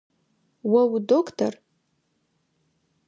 О удоктор?